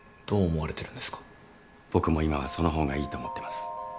僕も今はその方がいいと思ってます。